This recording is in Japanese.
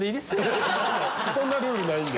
そんなルールないんで。